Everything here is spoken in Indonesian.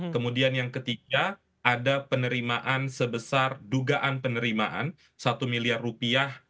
kemudian yang ketiga ada penerimaan sebesar dugaan penerimaan satu miliar rupiah